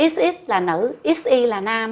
xx là nữ xy là nam